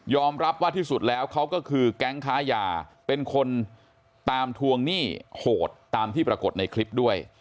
รับว่าที่สุดแล้วเขาก็คือแก๊งค้ายาเป็นคนตามทวงหนี้โหดตามที่ปรากฏในคลิปด้วย